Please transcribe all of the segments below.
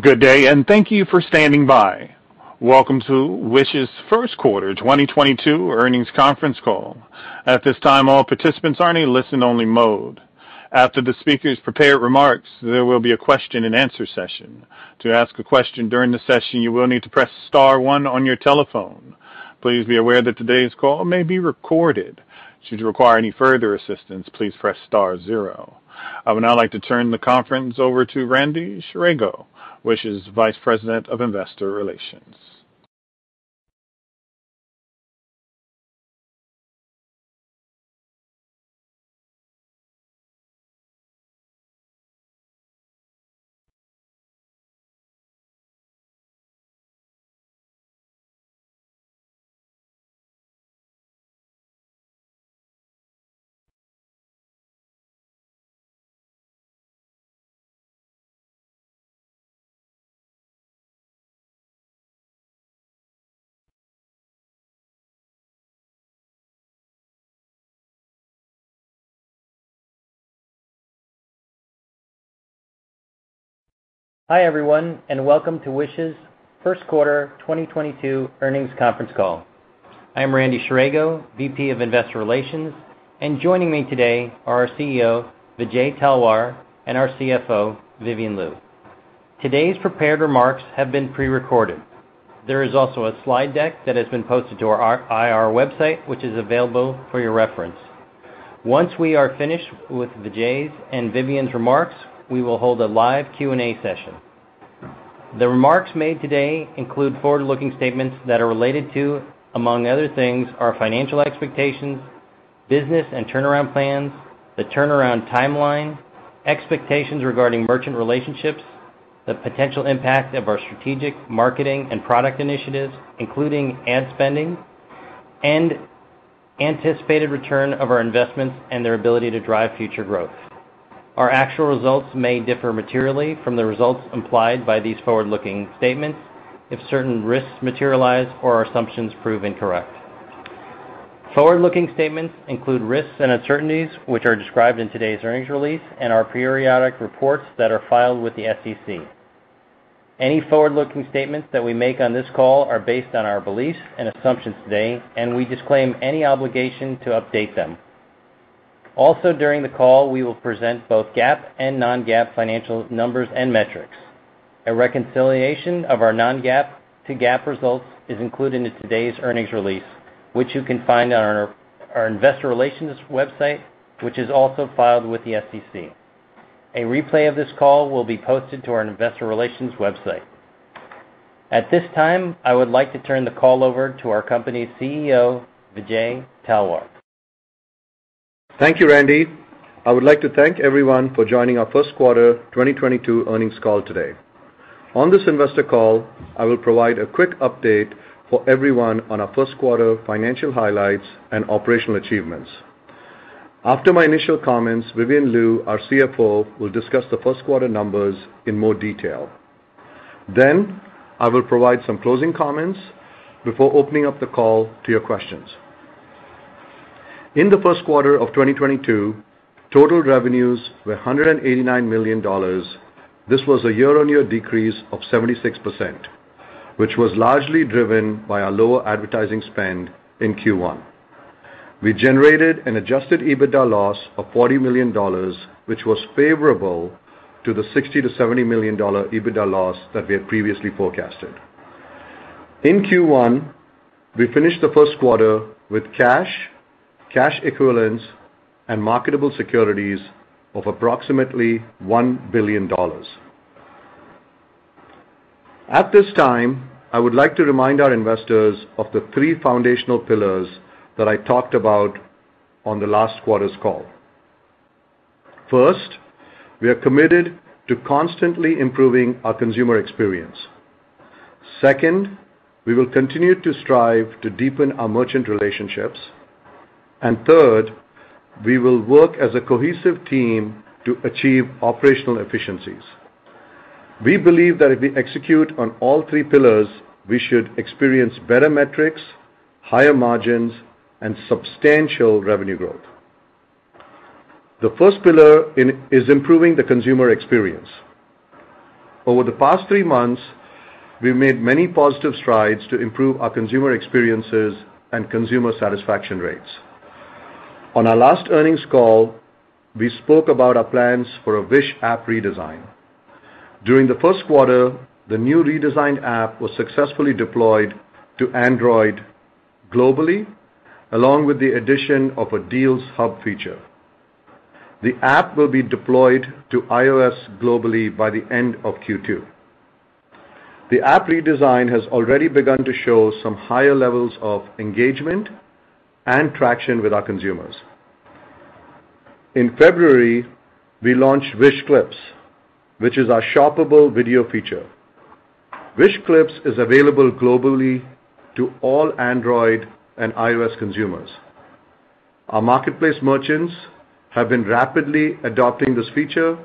Good day, and thank you for standing by. Welcome to Wish's first quarter 2022 earnings conference call. At this time, all participants are in a listen-only mode. After the speakers' prepared remarks, there will be a question-and-answer session. To ask a question during the session, you will need to press star one on your telephone. Please be aware that today's call may be recorded. Should you require any further assistance, please press star zero. I would now like to turn the conference over to Randy Scherago, Wish's Vice President of Investor Relations. Hi, everyone, and welcome to Wish's first quarter 2022 earnings conference call. I am Randy Scherago, VP of Investor Relations, and joining me today are our CEO, Vijay Talwar, and our CFO, Vivian Liu. Today's prepared remarks have been prerecorded. There is also a slide deck that has been posted to our IR website, which is available for your reference. Once we are finished with Vijay's and Vivian's remarks, we will hold a live Q&A session. The remarks made today include forward-looking statements that are related to, among other things, our financial expectations, business and turnaround plans, the turnaround timeline, expectations regarding merchant relationships, the potential impact of our strategic, marketing, and product initiatives, including ad spending, and anticipated return of our investments and their ability to drive future growth. Our actual results may differ materially from the results implied by these forward-looking statements if certain risks materialize or our assumptions prove incorrect. Forward-looking statements include risks and uncertainties which are described in today's earnings release and our periodic reports that are filed with the SEC. Any forward-looking statements that we make on this call are based on our beliefs and assumptions today, and we disclaim any obligation to update them. Also, during the call, we will present both GAAP and non-GAAP financial numbers and metrics. A reconciliation of our non-GAAP to GAAP results is included in today's earnings release, which you can find on our investor relations website, which is also filed with the SEC. A replay of this call will be posted to our investor relations website. At this time, I would like to turn the call over to our company CEO, Vijay Talwar. Thank you, Randy. I would like to thank everyone for joining our first quarter 2022 earnings call today. On this investor call, I will provide a quick update for everyone on our first quarter financial highlights and operational achievements. After my initial comments, Vivian Liu, our CFO, will discuss the first quarter numbers in more detail. I will provide some closing comments before opening up the call to your questions. In the first quarter of 2022, total revenues were $189 million. This was a year-on-year decrease of 76%, which was largely driven by our lower advertising spend in Q1. We generated an Adjusted EBITDA loss of $40 million, which was favorable to the $60 million-$70 million EBITDA loss that we had previously forecasted. In Q1, we finished the first quarter with cash equivalents, and marketable securities of approximately $1 billion. At this time, I would like to remind our investors of the three foundational pillars that I talked about on the last quarter's call. First, we are committed to constantly improving our consumer experience. Second, we will continue to strive to deepen our merchant relationships. Third, we will work as a cohesive team to achieve operational efficiencies. We believe that if we execute on all three pillars, we should experience better metrics, higher margins, and substantial revenue growth. The first pillar is improving the consumer experience. Over the past three months, we've made many positive strides to improve our consumer experiences and consumer satisfaction rates. On our last earnings call, we spoke about our plans for a Wish app redesign. During the first quarter, the new redesigned app was successfully deployed to Android globally, along with the addition of a deals hub feature. The app will be deployed to iOS globally by the end of Q2. The app redesign has already begun to show some higher levels of engagement and traction with our consumers. In February, we launched Wish Clips, which is our shoppable video feature. Wish Clips is available globally to all Android and iOS consumers. Our marketplace merchants have been rapidly adopting this feature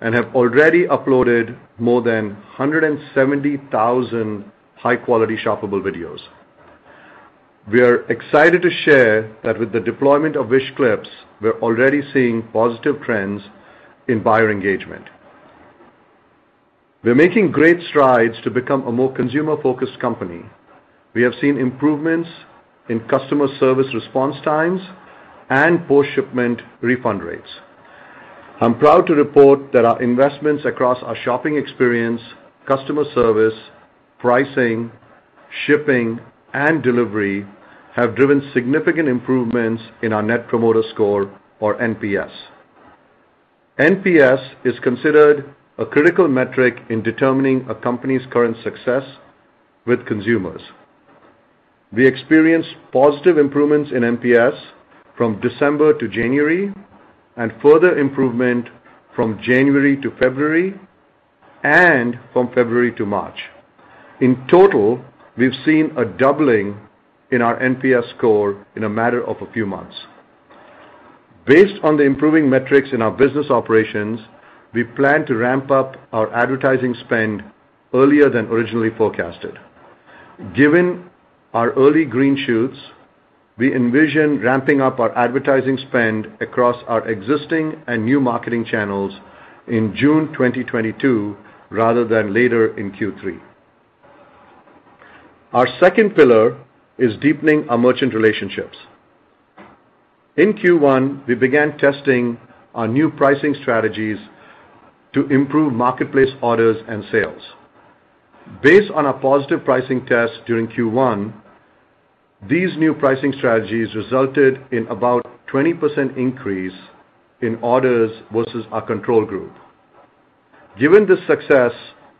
and have already uploaded more than 170,000 high-quality shoppable videos. We are excited to share that with the deployment of Wish Clips, we're already seeing positive trends in buyer engagement. We're making great strides to become a more consumer-focused company. We have seen improvements in customer service response times and post-shipment refund rates. I'm proud to report that our investments across our shopping experience, customer service, pricing, shipping, and delivery have driven significant improvements in our net promoter score or NPS. NPS is considered a critical metric in determining a company's current success with consumers. We experienced positive improvements in NPS from December to January, and further improvement from January to February and from February to March. In total, we've seen a doubling in our NPS score in a matter of a few months. Based on the improving metrics in our business operations, we plan to ramp up our advertising spend earlier than originally forecasted. Given our early green shoots, we envision ramping up our advertising spend across our existing and new marketing channels in June 2022, rather than later in Q3. Our second pillar is deepening our merchant relationships. In Q1, we began testing our new pricing strategies to improve marketplace orders and sales. Based on our positive pricing test during Q1, these new pricing strategies resulted in about 20% increase in orders versus our control group. Given the success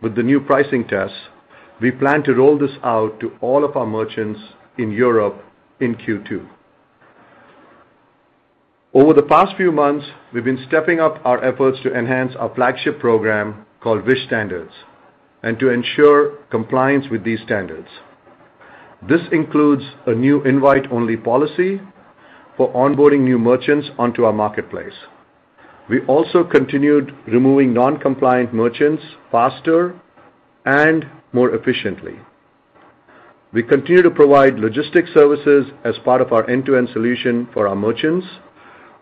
with the new pricing tests, we plan to roll this out to all of our merchants in Europe in Q2. Over the past few months, we've been stepping up our efforts to enhance our flagship program called Wish Standards, and to ensure compliance with these standards. This includes a new invite-only policy for onboarding new merchants onto our marketplace. We also continued removing non-compliant merchants faster and more efficiently. We continue to provide logistics services as part of our end-to-end solution for our merchants.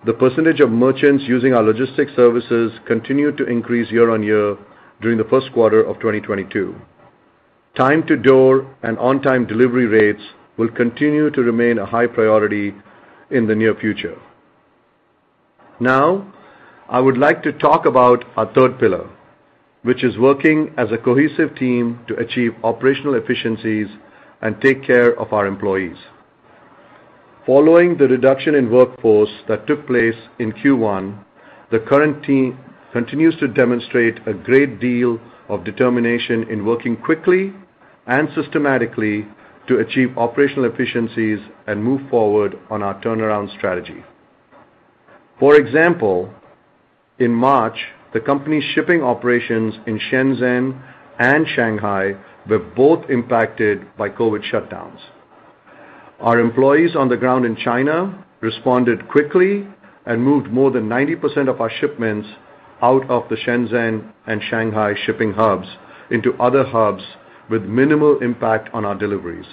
The percentage of merchants using our logistics services continued to increase year-over-year during the first quarter of 2022. Time to door and on-time delivery rates will continue to remain a high priority in the near future. Now, I would like to talk about our third pillar, which is working as a cohesive team to achieve operational efficiencies and take care of our employees. Following the reduction in workforce that took place in Q1, the current team continues to demonstrate a great deal of determination in working quickly and systematically to achieve operational efficiencies and move forward on our turnaround strategy. For example, in March, the company's shipping operations in Shenzhen and Shanghai were both impacted by COVID shutdowns. Our employees on the ground in China responded quickly and moved more than 90% of our shipments out of the Shenzhen and Shanghai shipping hubs into other hubs with minimal impact on our deliveries.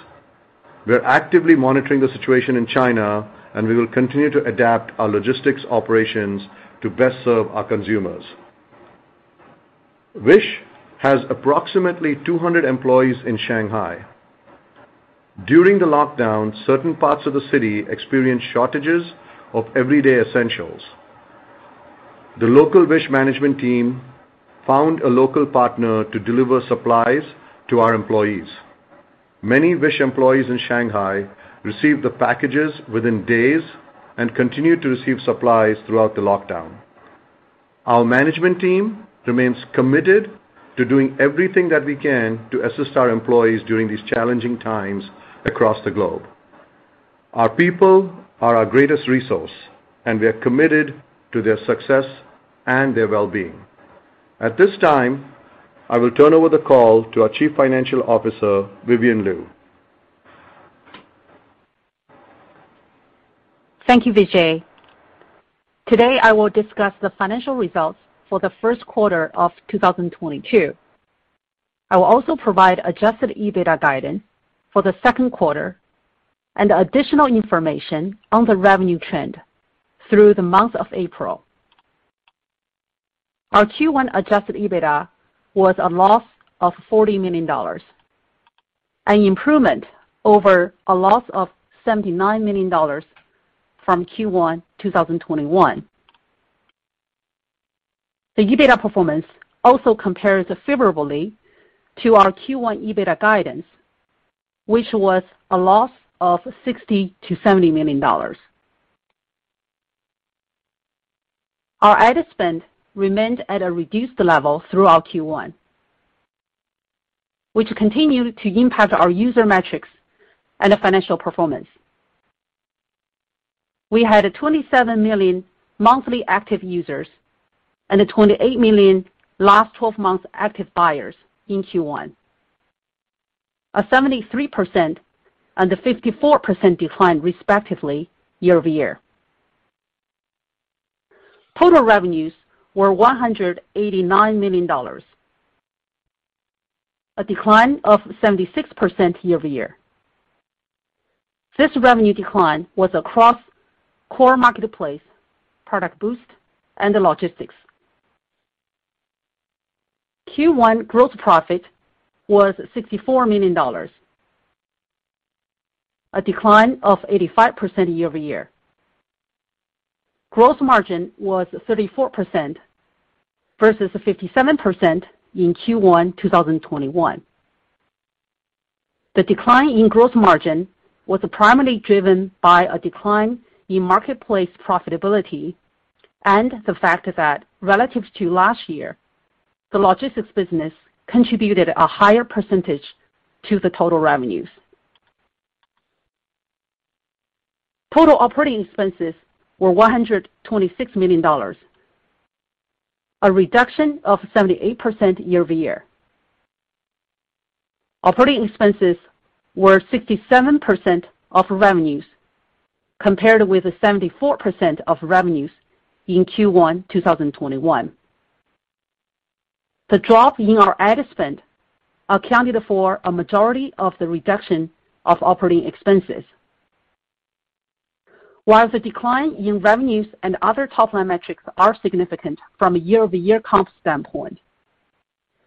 We're actively monitoring the situation in China, and we will continue to adapt our logistics operations to best serve our consumers. Wish has approximately 200 employees in Shanghai. During the lockdown, certain parts of the city experienced shortages of everyday essentials. The local Wish management team found a local partner to deliver supplies to our employees. Many Wish employees in Shanghai received the packages within days and continued to receive supplies throughout the lockdown. Our management team remains committed to doing everything that we can to assist our employees during these challenging times across the globe. Our people are our greatest resource, and we are committed to their success and their well-being. At this time, I will turn over the call to our Chief Financial Officer, Vivian Liu. Thank you, Vijay. Today, I will discuss the financial results for the first quarter of 2022. I will also provide Adjusted EBITDA guidance for the second quarter and additional information on the revenue trend through the month of April. Our Q1 Adjusted EBITDA was a loss of $40 million, an improvement over a loss of $79 million from Q1 2021. The EBITDA performance also compares favorably to our Q1 EBITDA guidance, which was a loss of $60 million-$70 million. Our ad spend remained at a reduced level throughout Q1, which continued to impact our user metrics and the financial performance. We had 27 million monthly active users and 28 million last twelve months active buyers in Q1. A 73% and a 54% decline, respectively, year-over-year. Total revenues were $189 million. A decline of 76% year-over-year. This revenue decline was across core marketplace, ProductBoost, and the logistics. Q1 gross profit was $64 million. A decline of 85% year-over-year. Gross margin was 34% versus 57% in Q1 2021. The decline in gross margin was primarily driven by a decline in marketplace profitability and the fact that relative to last year, the logistics business contributed a higher percentage to the total revenues. Total operating expenses were $126 million. A reduction of 78% year-over-year. Operating expenses were 67% of revenues, compared with 74% of revenues in Q1 2021. The drop in our ad spend accounted for a majority of the reduction of operating expenses. While the decline in revenues and other top-line metrics are significant from a year-over-year comp standpoint,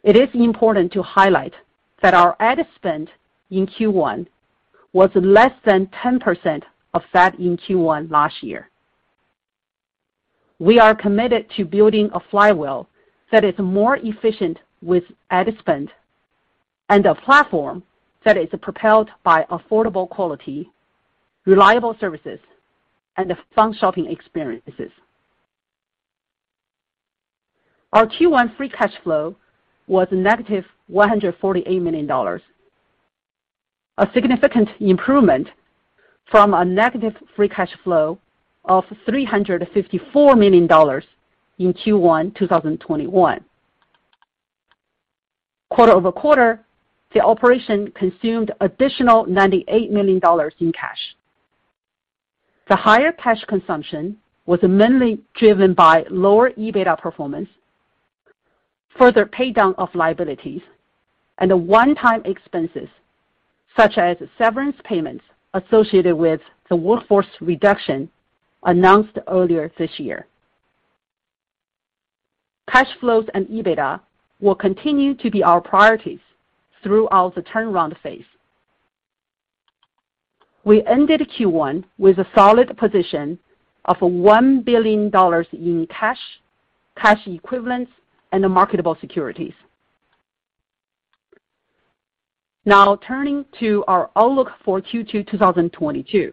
it is important to highlight that our ad spend in Q1 was less than 10% of that in Q1 last year. We are committed to building a flywheel that is more efficient with ad spend and a platform that is propelled by affordable quality, reliable services, and fun shopping experiences. Our Q1 free cash flow was -$148 million. A significant improvement from a negative free cash flow of $354 million in Q1 2021. Quarter-over-quarter, the operation consumed additional $98 million in cash. The higher cash consumption was mainly driven by lower EBITDA performance, further pay-down of liabilities, and the one-time expenses such as severance payments associated with the workforce reduction announced earlier this year. Cash flows and EBITDA will continue to be our priorities throughout the turnaround phase. We ended Q1 with a solid position of $1 billion in cash equivalents, and marketable securities. Now turning to our outlook for Q2 2022.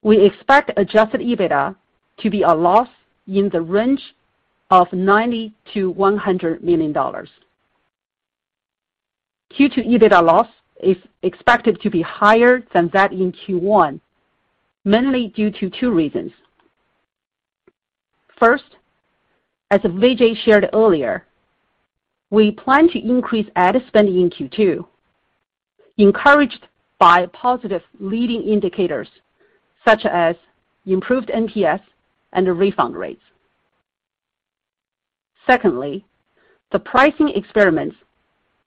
We expect Adjusted EBITDA to be a loss in the range of $90 million-$100 million. Q2 EBITDA loss is expected to be higher than that in Q1, mainly due to two reasons. First, as Vijay shared earlier, we plan to increase ad spend in Q2, encouraged by positive leading indicators such as improved NPS and refund rates. Secondly, the pricing experiments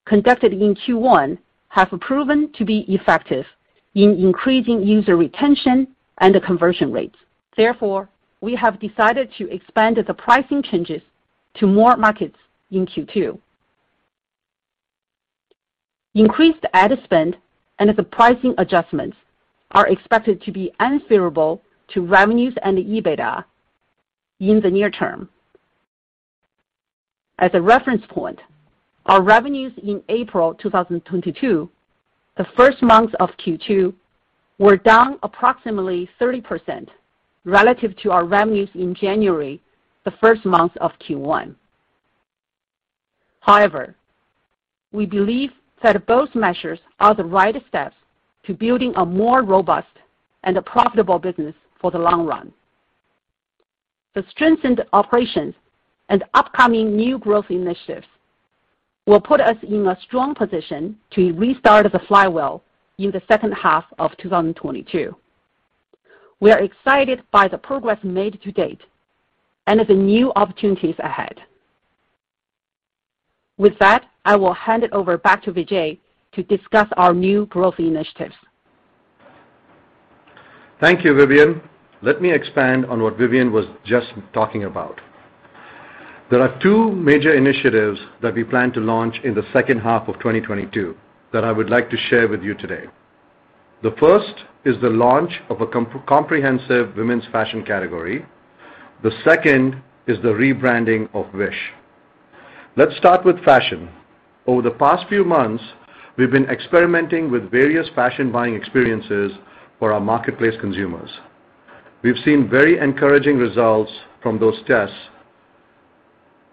conducted in Q1 have proven to be effective in increasing user retention and the conversion rates. Therefore, we have decided to expand the pricing changes to more markets in Q2. Increased ad spend and the pricing adjustments are expected to be unfavorable to revenues and EBITDA in the near term. As a reference point, our revenues in April 2022, the first month of Q2, were down approximately 30% relative to our revenues in January, the first month of Q1. However, we believe that both measures are the right steps to building a more robust and a profitable business for the long run. The strengthened operations and upcoming new growth initiatives will put us in a strong position to restart the flywheel in the second half of 2022. We are excited by the progress made to date and the new opportunities ahead. With that, I will hand it over back to Vijay to discuss our new growth initiatives. Thank you, Vivian. Let me expand on what Vivian was just talking about. There are two major initiatives that we plan to launch in the second half of 2022 that I would like to share with you today. The first is the launch of a comprehensive women's fashion category. The second is the rebranding of Wish. Let's start with fashion. Over the past few months, we've been experimenting with various fashion buying experiences for our marketplace consumers. We've seen very encouraging results from those tests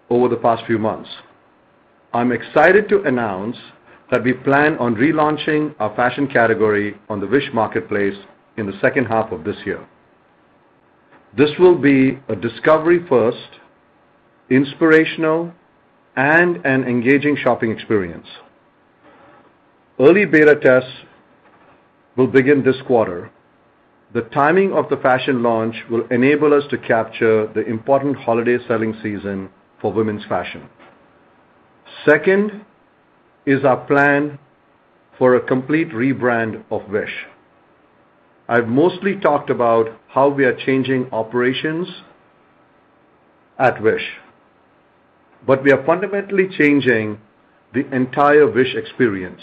over the past few months. I'm excited to announce that we plan on relaunching our fashion category on the Wish marketplace in the second half of this year. This will be a discovery first, inspirational, and an engaging shopping experience. Early beta tests will begin this quarter. The timing of the fashion launch will enable us to capture the important holiday selling season for women's fashion. Second is our plan for a complete rebrand of Wish. I've mostly talked about how we are changing operations at Wish, but we are fundamentally changing the entire Wish experience.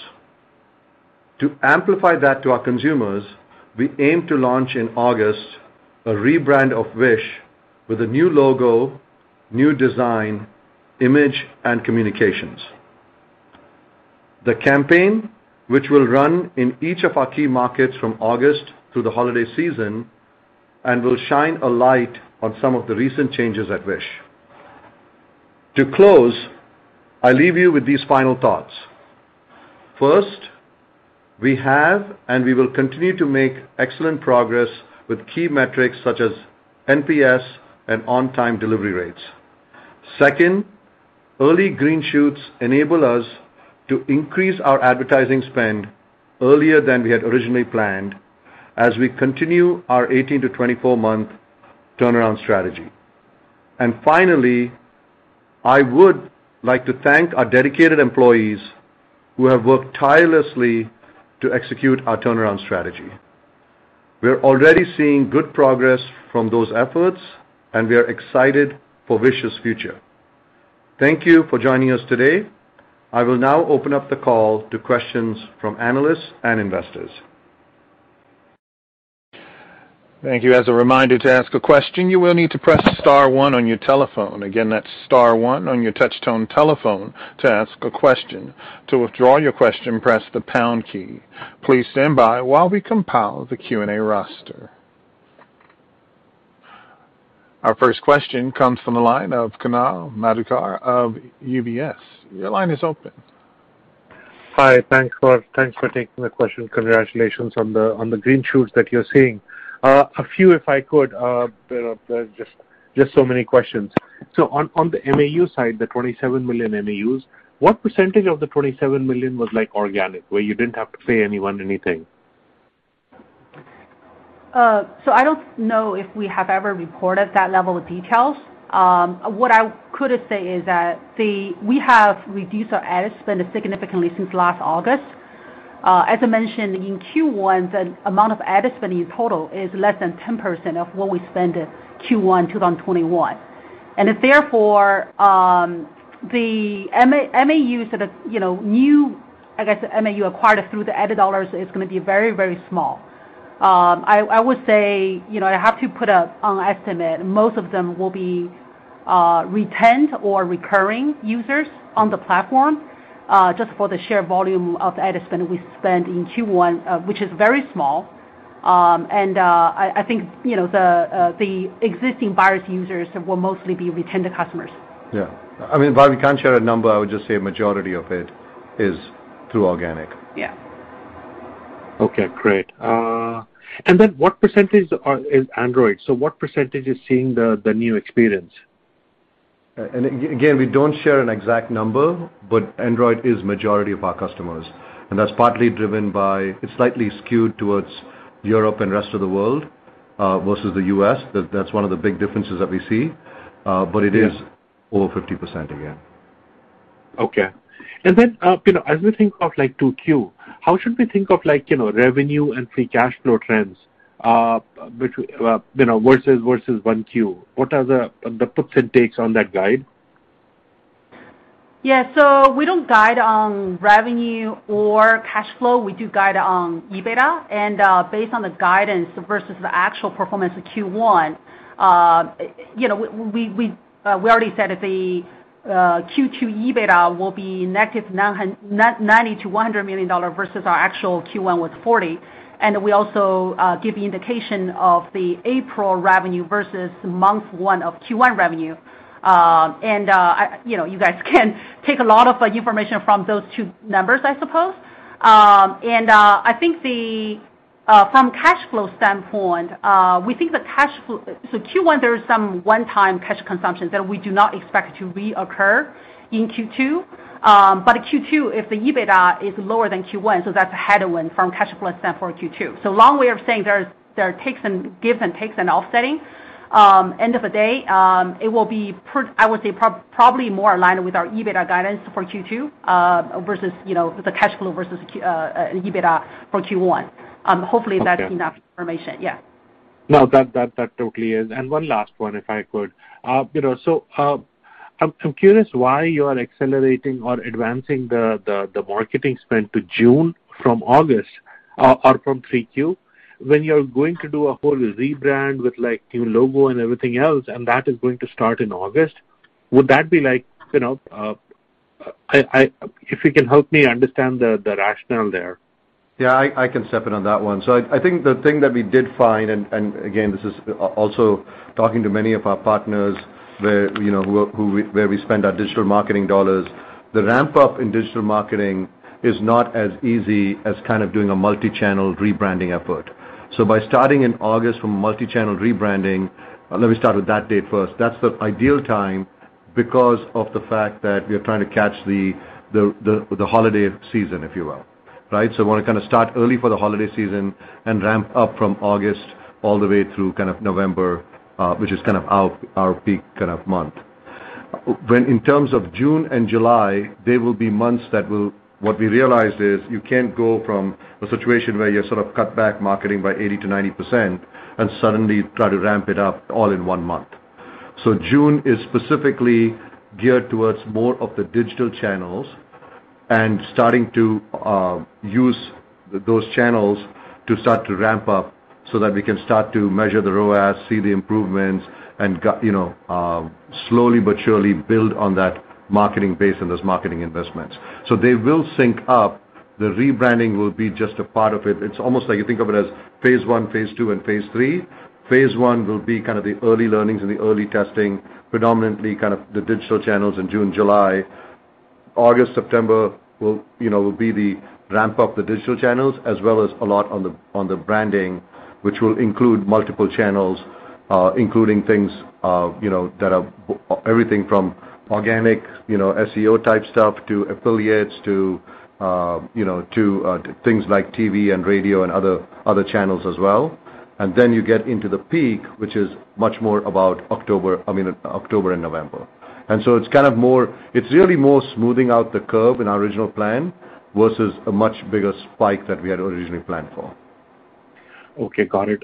To amplify that to our consumers, we aim to launch in August a rebrand of Wish with a new logo, new design, image, and communications. The campaign, which will run in each of our key markets from August through the holiday season and will shine a light on some of the recent changes at Wish. To close, I leave you with these final thoughts. First, we have and we will continue to make excellent progress with key metrics such as NPS and on-time delivery rates. Second, early green shoots enable us to increase our advertising spend earlier than we had originally planned as we continue our 18-24-month turnaround strategy. Finally, I would like to thank our dedicated employees who have worked tirelessly to execute our turnaround strategy. We are already seeing good progress from those efforts, and we are excited for Wish's future. Thank you for joining us today. I will now open up the call to questions from analysts and investors. Thank you. As a reminder, to ask a question, you will need to press star one on your telephone. Again, that's star one on your touch-tone telephone to ask a question. To withdraw your question, press the pound key. Please stand by while we compile the Q&A roster. Our first question comes from the line of Kunal Madhukar of UBS. Your line is open. Hi. Thanks for taking the question. Congratulations on the green shoots that you're seeing. If I could, you know, there are just so many questions. On the MAU side, the 27 million MAUs, what percentage of the 27 million was like organic, where you didn't have to pay anyone anything? I don't know if we have ever reported that level of details. What I could say is that we have reduced our ad spend significantly since last August. As I mentioned, in Q1, the amount of ad spend in total is less than 10% of what we spent in Q1 2021. Therefore, the MAUs that are, you know, new, I guess MAU acquired through the ad dollars is gonna be very, very small. I would say, you know, I have to put an estimate. Most of them will be retained or recurring users on the platform, just for the sheer volume of ad spend we spent in Q1, which is very small. I think, you know, the existing buyers users will mostly be retained customers. Yeah. I mean, while we can't share a number, I would just say a majority of it is through organic. Yeah. Okay, great. What percentage is Android? What percentage is seeing the new experience? Again, we don't share an exact number, but Android is majority of our customers. That's partly driven by it's slightly skewed towards Europe and rest of the world, versus the U.S., that's one of the big differences that we see. Yeah. It is over 50%, again. Okay. You know, as we think of, like, 2Q, how should we think of like, you know, revenue and Free Cash Flow trends, you know, versus 1Q? What are the puts and takes on that guide? Yeah. We don't guide on revenue or cash flow. We do guide on EBITDA. Based on the guidance versus the actual performance of Q1, you know, we already said that the Q2 EBITDA will be -$90 million-$100 million versus our actual Q1 with $40 million. We also give the indication of the April revenue versus month one of Q1 revenue. You know, you guys can take a lot of information from those two numbers, I suppose. I think from cash flow standpoint, we think the cash flow. Q1, there is some one-time cash consumption that we do not expect to reoccur in Q2. Q2, if the EBITDA is lower than Q1, so that's a headwind from cash flow standpoint of Q2. Long way of saying there are takes and gives and takes and offsetting. End of the day, it will be, I would say, probably more aligned with our EBITDA guidance for Q2 versus, you know, the cash flow versus Q1 EBITDA for Q1. Hopefully that's. Okay. Enough information. Yeah. No, that totally is. One last one, if I could. You know, I'm curious why you are accelerating or advancing the marketing spend to June from August, or from 3Q, when you're going to do a whole rebrand with, like, new logo and everything else, and that is going to start in August. Would that be like, you know, if you can help me understand the rationale there. Yeah, I can step in on that one. I think the thing that we did find, and again, this is also talking to many of our partners where, you know, where we spend our digital marketing dollars, the ramp-up in digital marketing is not as easy as kind of doing a multi-channel rebranding effort. By starting in August with a multi-channel rebranding, let me start with that date first. That's the ideal time. Because of the fact that we are trying to catch the holiday season, if you will. Right? We wanna kinda start early for the holiday season and ramp up from August all the way through kind of November, which is kind of our peak kind of month. In terms of June and July, they will be months that will... What we realized is you can't go from a situation where you sort of cut back marketing by 80%-90% and suddenly try to ramp it up all in one month. June is specifically geared towards more of the digital channels and starting to use those channels to start to ramp up so that we can start to measure the ROAS, see the improvements, and, you know, slowly but surely build on that marketing base and those marketing investments. They will sync up. The rebranding will be just a part of it. It's almost like you think of it as phase I, phase II, and phase III. Phase one will be kind of the early learnings and the early testing, predominantly kind of the digital channels in June, July. August, September will, you know, be the ramp up the digital channels, as well as a lot on the branding, which will include multiple channels, including things, you know, that are everything from organic, you know, SEO type stuff, to affiliates, to, you know, to things like TV and radio and other channels as well. Then you get into the peak, which is much more about October. I mean, October and November. It's kind of more. It's really more smoothing out the curve in our original plan versus a much bigger spike that we had originally planned for. Okay, got it.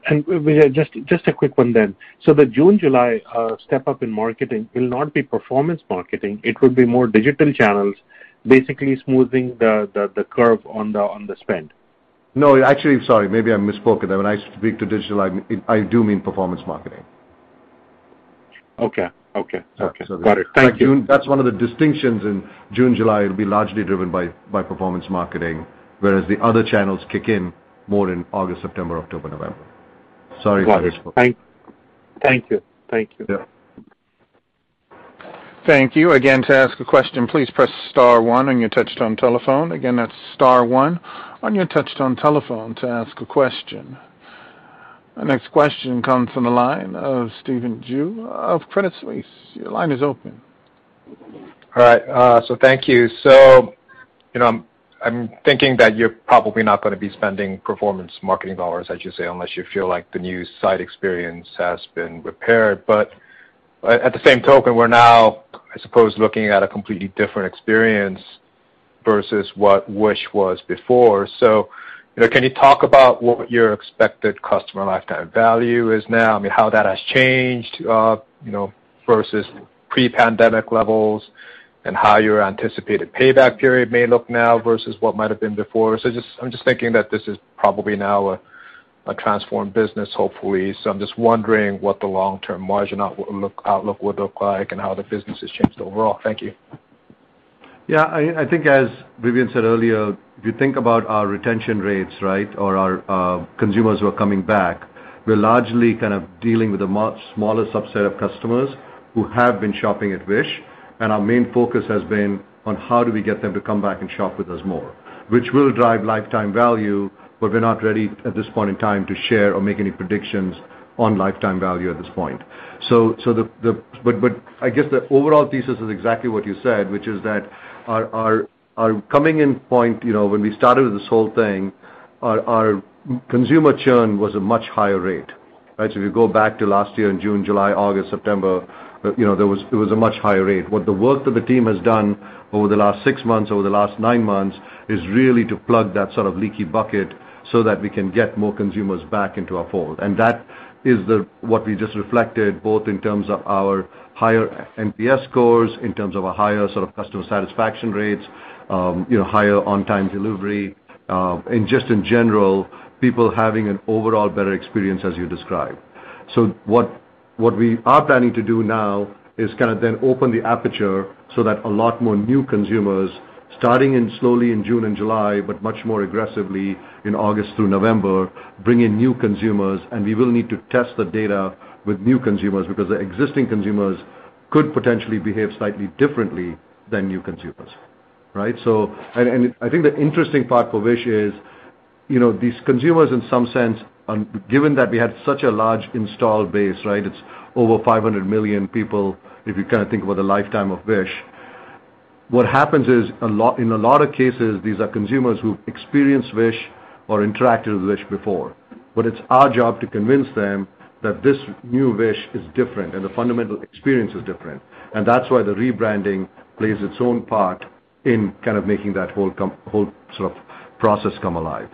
Just a quick one then. The June, July step up in marketing will not be performance marketing. It will be more digital channels, basically smoothing the curve on the spend. No, actually, sorry, maybe I misspoke. When I speak to digital, I do mean performance marketing. Okay. Okay. Yeah. Okay. Got it. Thank you. Like June, that's one of the distinctions in June, July. It'll be largely driven by performance marketing, whereas the other channels kick in more in August, September, October, November. Sorry for the misspoken. Got it. Thank you. Thank you. Yeah. Thank you. Again, to ask a question, please press star one on your touch-tone telephone. Again, that's star one on your touch-tone telephone to ask a question. Our next question comes from the line of Stephen Ju of Credit Suisse. Your line is open. All right, thank you. You know, I'm thinking that you're probably not gonna be spending performance marketing dollars, as you say, unless you feel like the new site experience has been repaired. At the same token, we're now, I suppose, looking at a completely different experience versus what Wish was before. You know, can you talk about what your expected customer lifetime value is now? I mean, how that has changed, you know, versus pre-pandemic levels, and how your anticipated payback period may look now versus what might have been before. I'm just thinking that this is probably now a transformed business, hopefully. I'm just wondering what the long-term margin outlook would look like and how the business has changed overall. Thank you. Yeah, I think, as Vivian said earlier, if you think about our retention rates, right? Or our consumers who are coming back, we're largely kind of dealing with a much smaller subset of customers who have been shopping at Wish, and our main focus has been on how do we get them to come back and shop with us more, which will drive lifetime value, but we're not ready at this point in time to share or make any predictions on lifetime value at this point. I guess the overall thesis is exactly what you said, which is that our coming in point, you know, when we started this whole thing, our consumer churn was a much higher rate. Right? If you go back to last year in June, July, August, September, you know, it was a much higher rate. What the work that the team has done over the last six months, over the last nine months is really to plug that sort of leaky bucket so that we can get more consumers back into our fold. That is what we just reflected, both in terms of our higher NPS scores, in terms of a higher sort of customer satisfaction rates, you know, higher on-time delivery, and just in general, people having an overall better experience as you described. What we are planning to do now is kind of then open the aperture so that a lot more new consumers, starting slowly in June and July, but much more aggressively in August through November, bring in new consumers, and we will need to test the data with new consumers because the existing consumers could potentially behave slightly differently than new consumers. Right? And I think the interesting part for Wish is, you know, these consumers in some sense, given that we had such a large installed base, right? It's over 500 million people, if you kind of think about the lifetime of Wish. What happens is, in a lot of cases, these are consumers who've experienced Wish or interacted with Wish before, but it's our job to convince them that this new Wish is different and the fundamental experience is different. That's why the rebranding plays its own part in kind of making that whole sort of process come alive.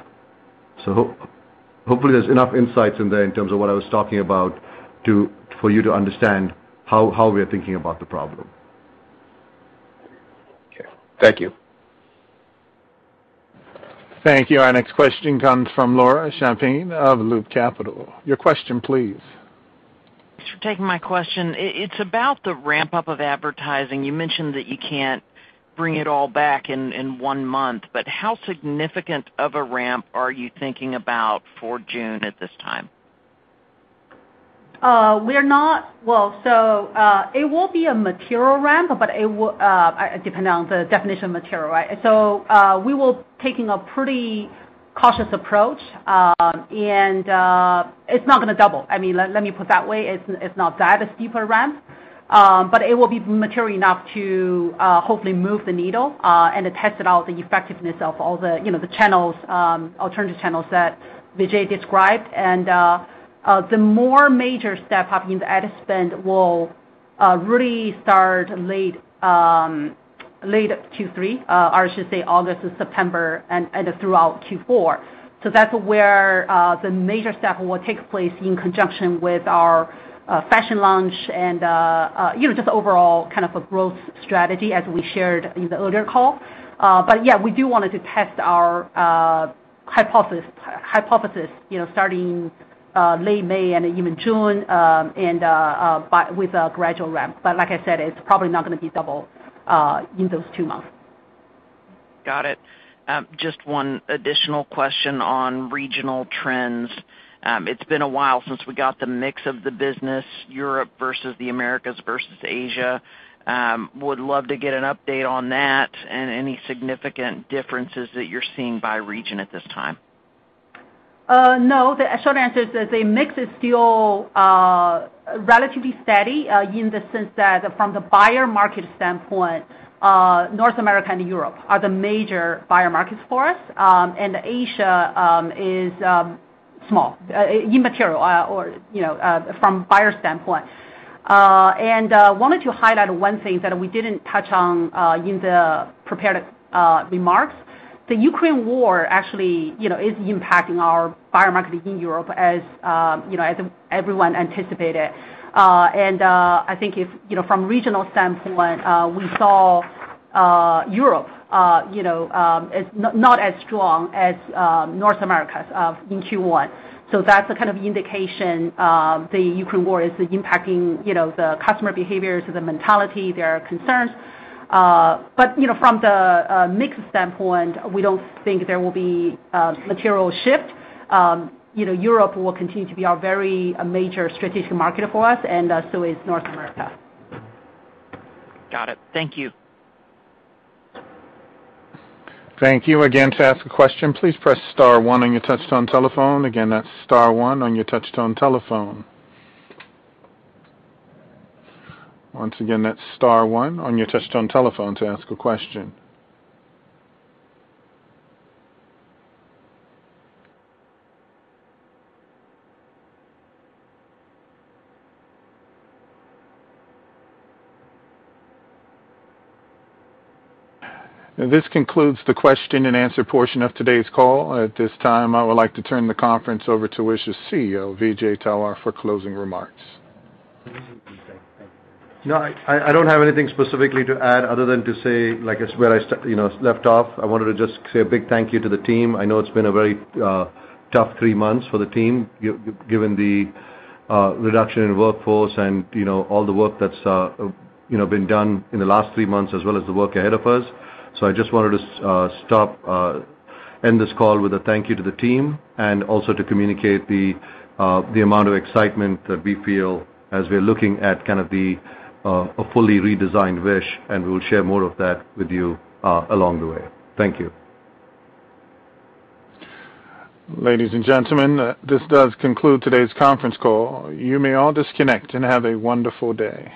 Hopefully, there's enough insights in there in terms of what I was talking about for you to understand how we are thinking about the problem. Okay. Thank you. Thank you. Our next question comes from Laura Champine of Loop Capital. Your question please. Thanks for taking my question. It's about the ramp-up of advertising. You mentioned that you can't bring it all back in one month, but how significant of a ramp are you thinking about for June at this time? It will be a material ramp, but it will, depending on the definition of material, right? We will taking a pretty cautious approach. It's not gonna double. I mean, let me put it that way. It's not that a steep ramp, but it will be material enough to hopefully move the needle, and to test out the effectiveness of all the, you know, the channels, alternative channels that Vijay described. The more major step up in the ad spend will really start late Q3, or I should say August to September and throughout Q4. That's where the major step will take place in conjunction with our fashion launch and you know just overall kind of a growth strategy as we shared in the earlier call. Yeah, we do wanted to test our hypothesis you know starting late May and even June and with a gradual ramp. Like I said, it's probably not gonna be double in those two months. Got it. Just one additional question on regional trends. It's been a while since we got the mix of the business, Europe versus the Americas versus Asia. Would love to get an update on that and any significant differences that you're seeing by region at this time. No. The short answer is that the mix is still relatively steady in the sense that from the buyer market standpoint, North America and Europe are the major buyer markets for us. Asia is small immaterial or, you know, from buyer standpoint. Wanted to highlight one thing that we didn't touch on in the prepared remarks. The Ukraine war actually is impacting our buyer market in Europe as, you know, as everyone anticipated. I think from regional standpoint, we saw Europe, you know, as not as strong as North America in Q1. That's the kind of indication the Ukraine war is impacting, you know, the customer behaviors, the mentality, their concerns. You know, from the mix standpoint, we don't think there will be material shift. You know, Europe will continue to be our very major strategic market for us and so is North America. Got it. Thank you. Thank you. Again, to ask a question, please press star one on your touchtone telephone. Again, that's star one on your touchtone telephone. Once again, that's star one on your touchtone telephone to ask a question. This concludes the question and answer portion of today's call. At this time, I would like to turn the conference over to Wish's CEO, Vijay Talwar for closing remarks. No, I don't have anything specifically to add other than to say, like, it's where I, you know, left off. I wanted to just say a big thank you to the team. I know it's been a very tough three months for the team given the reduction in workforce and, you know, all the work that's, you know, been done in the last three months as well as the work ahead of us. I just wanted to end this call with a thank you to the team and also to communicate the amount of excitement that we feel as we're looking at kind of a fully redesigned Wish, and we'll share more of that with you along the way. Thank you. Ladies and gentlemen, this does conclude today's conference call. You may all disconnect and have a wonderful day.